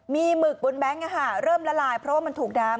มีหมึกบนแบงค์เริ่มละลายเพราะว่ามันถูกน้ำ